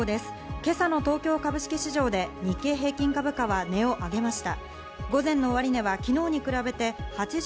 今朝の東京株式市場で日経平均株価は値を上げました。